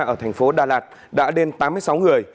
ở thành phố đà lạt đã lên tám mươi sáu người